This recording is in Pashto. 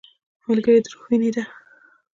ملګری د روح وینه ده